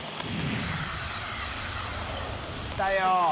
来たよ。